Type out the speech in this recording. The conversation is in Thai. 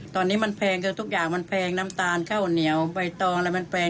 ตอนนี้มันแพงคือทุกอย่างมันแพงน้ำตาลข้าวเหนียวใบตองอะไรมันแพง